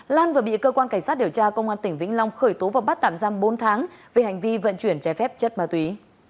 lan vừa bị cơ quan cảnh sát điều tra công an tỉnh vĩnh long khởi tố và bắt tạm giam bốn tháng về hành vi vận chuyển trái phép chất ma túy